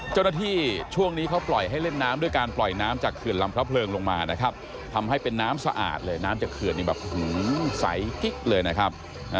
เจ้าหน้าที่ช่วงนี้เขาปล่อยให้เล่นน้ำด้วยการปล่อยน้ำจากเขื่อนลำพระเพลิงลงมานะครับทำให้เป็นน้ำสะอาดเลยน้ำจากเขื่อนนี่แบบใสกิ๊กเลยนะครับ